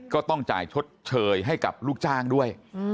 ก็ต้องจ่ายชดเชยให้กับลูกจ้างด้วย